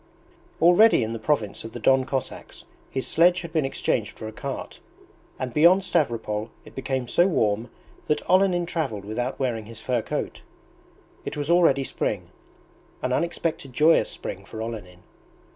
Already in the province of the Don Cossacks his sledge had been exchanged for a cart, and beyond Stavropol it became so warm that Olenin travelled without wearing his fur coat. It was already spring an unexpected joyous spring for Olenin.